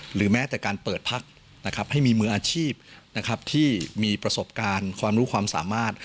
หรือแม้แต่การเปิดพักให้มีมืออาชีพที่มีประสบการณ์ความรู้ความสามารถ